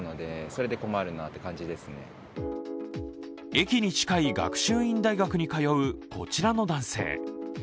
駅に近い学習院大学に通うこちらの男性。